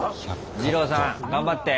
二朗さん頑張って！